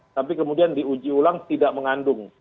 tapi kemudian diuji ulang tidak mengandung